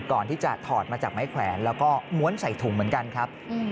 ถอดมาจากไม้แขวนแล้วก็ม้วนใส่ถุงเหมือนกันครับ